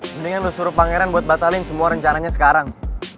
mendingan lu suruh pangeran buat batalin semua rencananya sekarang